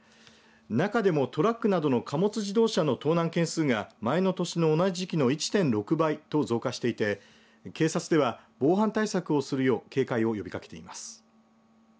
中でもトラックなどの貨物自動車の盗難件数が前の年の同じ時期の１．６倍と増加していて警察では防犯対策をするよう警戒を呼びかけています。